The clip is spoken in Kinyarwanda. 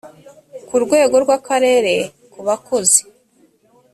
ku rwego rw akarere ku bakozi